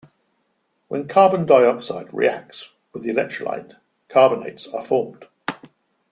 When carbon dioxide reacts with the electrolyte carbonates are formed.